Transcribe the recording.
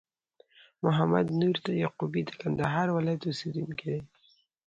محمد نور یعقوبی د کندهار ولایت اوسېدونکی دي